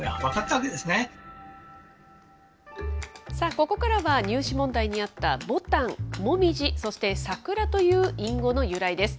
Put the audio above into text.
ここからは、入試問題にあったぼたん、もみじ、そしてさくらという隠語の由来です。